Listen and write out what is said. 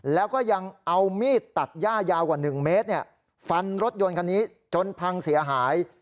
แล้วก็ยังเอามีดตัดย่ายาวกว่า๑เมตรฟันรถยนต์คันนี้จนพังเสียหาย